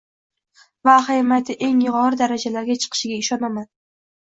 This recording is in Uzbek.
va ahamiyati eng yuqori darajalarga chiqishiga ishonaman.